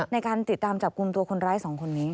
ในการติดตามจับกลุ่มตัวคนร้าย๒คนนี้